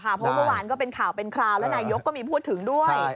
เพราะเมื่อวานก็เป็นข่าวเป็นคราวและนายกก็มีพูดถึงด้วย